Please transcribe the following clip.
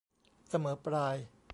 เสมอปลาย